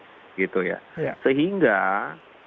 sehingga ini badan pangan nasional bergerak terhadap